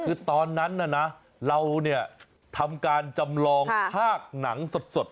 คือตอนนั้นน่ะนะเราเนี่ยทำการจำลองภาคหนังสด